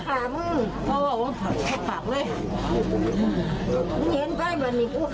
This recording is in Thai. หมาทรัพย์พราทรัพย์